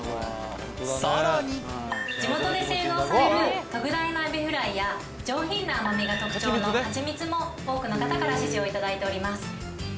さらに地元で製造される特大のえびフライや上品な甘みが特徴の蜂蜜も多くの方から支持をいただいております。